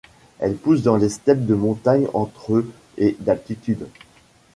Elle pousse dans les steppes de montagne entre et d'altitude.